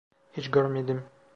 Hiç görmedim.